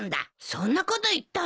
そんなこと言ったの？